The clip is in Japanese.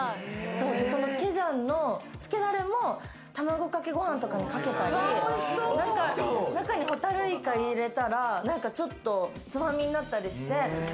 そのケジャンのつけだれも卵かけご飯とかにかけたり、中にホタルイカ入れたらちょっと、つまみになったりして。